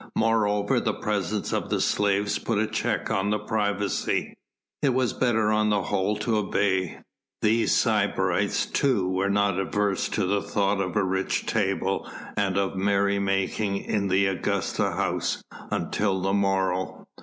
Moreover the presence of the slaves put a check on privacy. It was better on the whole to obey. These sybarites too were not averse to the thought of a rich table and of merry making in the Augusta's house until the morrow.